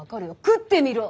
食ってみろ！」